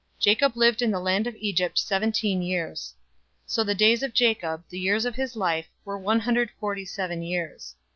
047:028 Jacob lived in the land of Egypt seventeen years. So the days of Jacob, the years of his life, were one hundred forty seven years.